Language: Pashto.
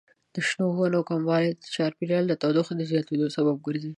د شنو ونو کموالی د چاپیریال د تودوخې زیاتیدو سبب ګرځي.